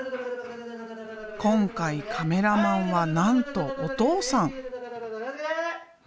今回カメラマンはなんとお父さん。